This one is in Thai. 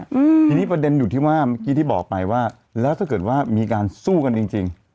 อืมทีนี้ประเด็นอยู่ที่ว่าเมื่อกี้ที่บอกไปว่าแล้วถ้าเกิดว่ามีการสู้กันจริงจริง